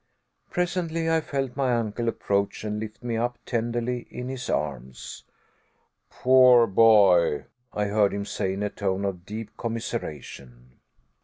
Presently I felt my uncle approach, and lift me up tenderly in his arms. "Poor boy," I heard him say in a tone of deep commiseration.